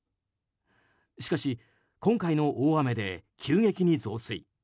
しかし今回の大雨で急激に増水。